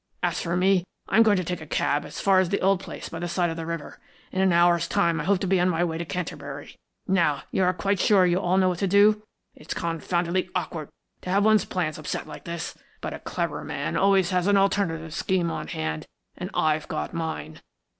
As for me, I am going to take a cab as far as the old place by the side of the river. In an hour's time I hope to be on my way to Canterbury. Now, you are quite sure you all know what to do? It's confoundedly awkward to have one's plans upset like this, but a clever man always has an alternative scheme on hand, and I've got mine.